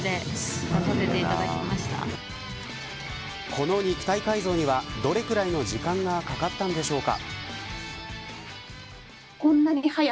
この肉体改造にはどれぐらいの時間がかかったのでしょうか。